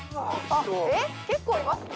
えっ結構いますね。